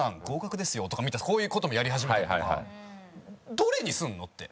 どれにするの？って。